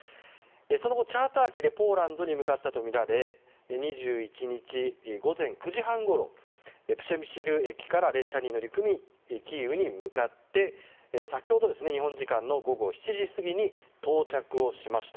その後、チャーター機でポーランドに向かったとみられ２１日午前９時半ごろプシェミシル駅から列車に乗り込みキーウに向かって先ほど日本時間午後７時過ぎに到着をしました。